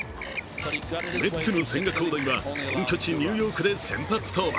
メッツの千賀滉大は本拠地・ニューヨークで先発登板。